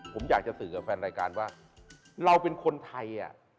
ผมอยากจะสื่อกับแฟนรายการว่าเราเป็นคนไทย